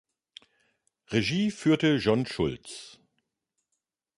Regie führte John Schultz.